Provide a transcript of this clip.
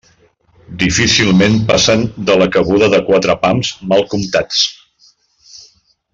Difícilment passen de la cabuda de quatre pams mal comptats.